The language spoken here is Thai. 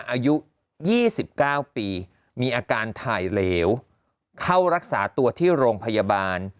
อายุ๒๙ปีมีอาการถ่ายเหลวเข้ารักษาตัวที่โรงพยาบาล